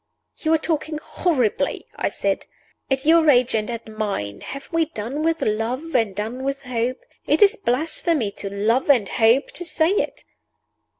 "You are talking horribly," I said. "At your age and at mine, have we done with love and done with hope? It is blasphemy to Love and Hope to say it!"